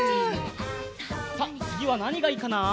さあつぎはなにがいいかな？